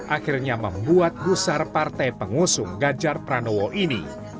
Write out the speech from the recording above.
akhirnya membuat gusar partai pengusung ganjar pranowo ini